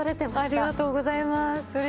ありがとうございます。